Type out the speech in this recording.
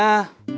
tidak ada apa apa